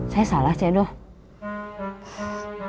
saya salah cek dong